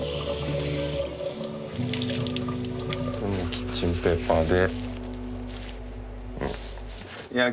キッチンペーパーで。